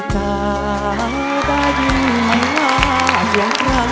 ใกล้ตาได้ยินมันล่าเสียงไกล